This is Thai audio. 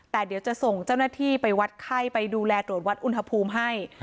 แต่เดี๋ยวจะส่งเจ้าหน้าที่ไปวัดไข้ไปดูแลตรวจวัดอุณหภูมิให้